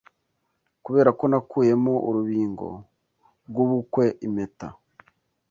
Kuberako nakuyemo urubingo Rwubukwe-impeta